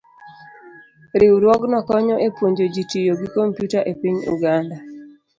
Riwruogno konyo e puonjo ji tiyo gi kompyuta e piny Uganda.